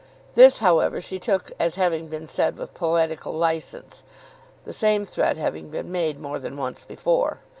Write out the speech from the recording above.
This, however, she took as having been said with poetical licence, the same threat having been made more than once before.